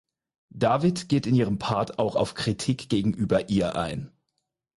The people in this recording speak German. David geht in ihrem Part auch auf Kritik gegenüber ihr ein.